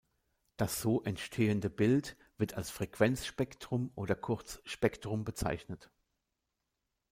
Das so entstehende Bild wird als Frequenzspektrum oder kurz Spektrum bezeichnet.